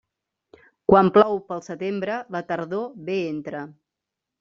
Quan plou pel setembre, la tardor bé entra.